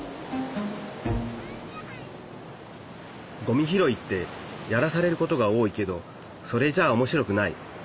ごみ拾いってやらされることが多いけどそれじゃあ面白くない。